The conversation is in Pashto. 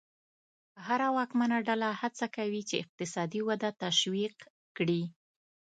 هره واکمنه ډله هڅه کوي چې اقتصادي وده تشویق کړي.